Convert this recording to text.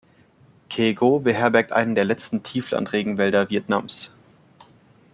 Ke-Go beherbergt einen der letzten Tieflandregenwälder Vietnams.